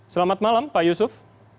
selamat malam pak yusuf